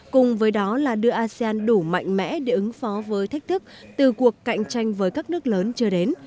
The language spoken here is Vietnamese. cùng với đó là đưa asean đủ mạnh mẽ để ứng phó với thách thức từ cuộc cạnh tranh với các nước lớn chưa đến